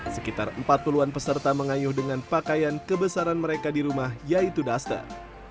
sekitar empat puluh an peserta mengayuh dengan pakaian kebesaran mereka di rumah yaitu duster